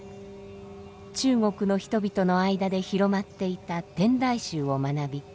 中国の人々の間で広まっていた天台宗を学び